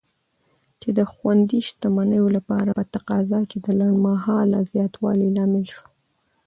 چې د خوندي شتمنیو لپاره په تقاضا کې د لنډمهاله زیاتوالي لامل شو.